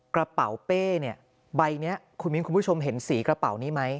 กระเป๋าเป้เนี่ยใบนี้คุณมิ้นคุณผู้ชมเห็นสีกระเป๋านี้ไหม